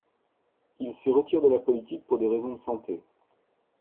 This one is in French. Il se retire de la politique pour des raisons de santé.